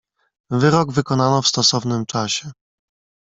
"Wyrok wykonano w stosownym czasie."